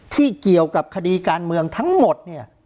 ที่เกี่ยวกับคดีการเมืองทั้งหมดเนี่ย